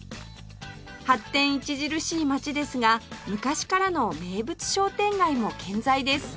発展著しい街ですが昔からの名物商店街も健在です